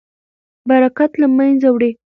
برکت له منځه وړي.